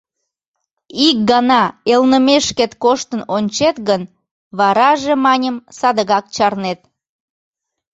Ик гана элнымешкет коштын ончет гын, вараже, маньым, садыгак чарнет.